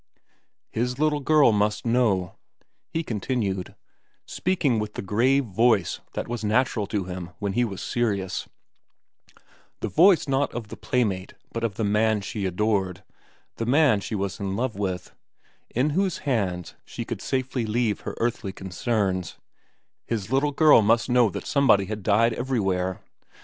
His little girl must know, he continued, speaking with the grave voice that was natural to him when he was serious, the voice not of the playmate but of the man she adored, the man she was in love with, in whose hands she could safely leave her earthly concerns, his little girl must know that somebody had died everywhere.